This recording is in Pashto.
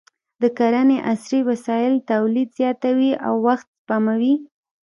د کرنې عصري وسایل تولید زیاتوي او وخت سپموي.